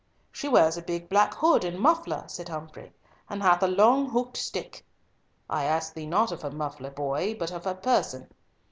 "She wears a big black hood and muffler," said Humfrey, "and hath a long hooked stick." "I asked thee not of her muffler, boy, but of her person."